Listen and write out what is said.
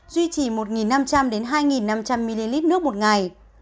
duy trì một năm trăm linh hai năm trăm linh ml nước một ngày